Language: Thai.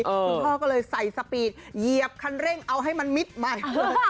คุณพ่อก็เลยใส่สปีดเหยียบคันเร่งเอาให้มันมิดใหม่